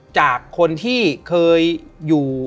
จากคนที่เคยอยู่